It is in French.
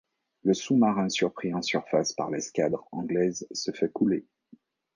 Le sous-marin surpris en surface par l'escadre anglaise se fait couler.